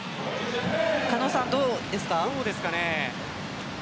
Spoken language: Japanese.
狩野さん、どうですか？